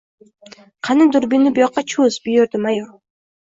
— Qani, durbinni buyoqqa cho‘z! — buyurdi mayor.